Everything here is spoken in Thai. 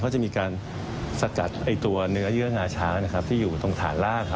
ก็จะมีการสกัดตัวเนื้อเยื่องาช้างที่อยู่ตรงฐานล่าง